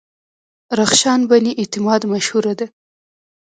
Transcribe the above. رخشان بني اعتماد مشهوره ده.